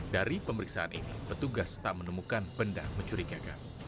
dari pemeriksaan ini petugas tak menemukan benda mencurigakan